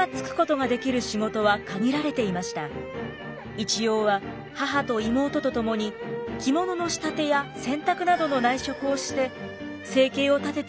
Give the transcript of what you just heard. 一葉は母と妹と共に着物の仕立てや洗濯などの内職をして生計を立てていくほかありませんでした。